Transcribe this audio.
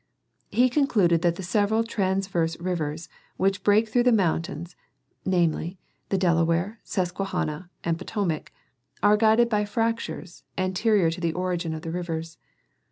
He concluded that the several transverse rivers which break through the mountains, namely, the Delaware, Susquehanna and Potomac, are guided by fractures, anteiior to the origin of the rivers.